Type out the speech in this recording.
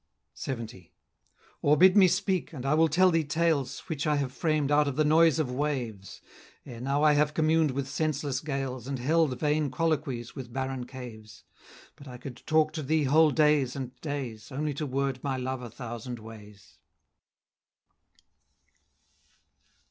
LXX. "Or bid me speak, and I will tell thee tales, Which I have framed out of the noise of waves; Ere now I have communed with senseless gales, And held vain colloquies with barren caves; But I could talk to thee whole days and days, Only to word my love a thousand ways."